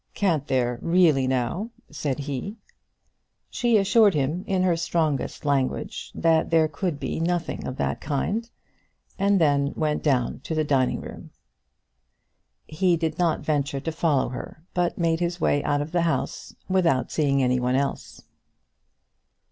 "Can't there really, now?" said he. She assured him in her strongest language, that there could be nothing of that kind, and then went down to the dining room. He did not venture to follow her, but made his way out of the house without seeing anyone else.